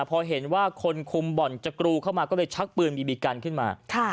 พอเห็นว่าคนคุมบ่อนจะกรูเข้ามาก็เลยชักปืนบีบีกันขึ้นมา